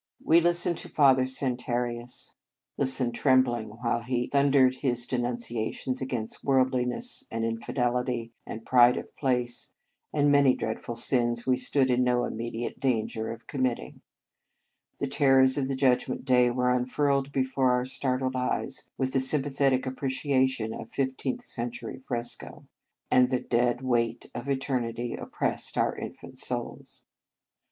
We listened to Father San tarius, listened trembling while he thundered his denunciations against worldliness, and infidelity, and pride of place, and many dreadful sins we stood in no immediate danger of com mitting The terrors of the Judgment Dav were unfurled before our startled eyes with the sympathetic apprecia tion of a fifteenth century fresco, and the dead weight of eternity oppressed our infant souls.